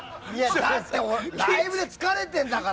だってライブで疲れているんだから！